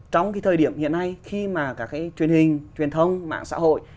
trong cái thời điểm hiện nay khi mà các cái truyền hình truyền thông mạng xã hội